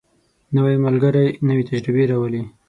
نوی ملګری نوې تجربې راولي